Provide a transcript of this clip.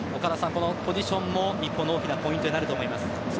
このポジションも日本の大きなポイントになると思います。